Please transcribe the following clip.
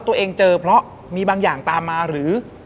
ตัวเองเจอเพราะมีบางอย่างตามมาหรือ